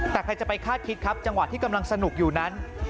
แต่ใครจะไปคาดคิดครับจังหวะที่กำลังสนุกอยู่นั้น